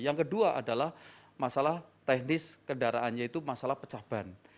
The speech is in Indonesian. yang kedua adalah masalah teknis kendaraan yaitu masalah pecah ban